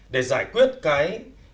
để giải quyết cái